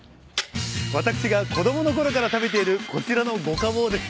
私が子供のころから食べているこちらの五家宝です。